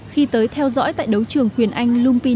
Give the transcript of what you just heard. khi tới theo dõi tại đấu trường huyền anh